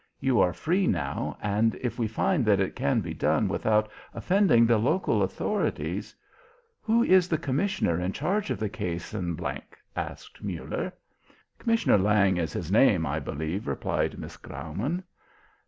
You are free now, and if we find that it can be done without offending the local authorities " "Who is the commissioner in charge of the case in G ?" asked Muller. "Commissioner Lange is his name, I believe," replied Miss Graumann.